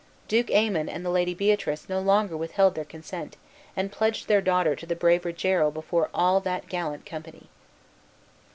Duke Aymon and the Lady Beatrice no longer withheld their consent, and pledged their daughter to the brave Rogero before all that gallant company.